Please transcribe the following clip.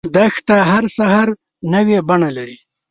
دښته هر سحر نوی بڼه لري.